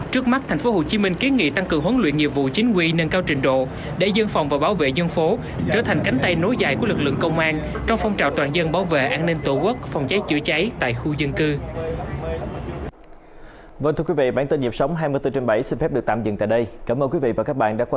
trước mắt tp hcm kiến nghị tăng cường huấn luyện nghiệp vụ chính quy nâng cao trình độ để dân phòng và bảo vệ dân phố trở thành cánh tay nối dài của lực lượng công an trong phong trào toàn dân bảo vệ an ninh tổ quốc phòng cháy chữa cháy tại khu dân cư